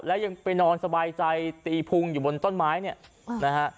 แล้วยังไปนอนสบายใจตีพุงอยู่บนต้นไม้เนี่ยนะฮะ